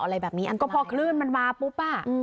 อะไรแบบนี้อันตรายก็พอคลื่นมันมาปุ๊บป้ะอืม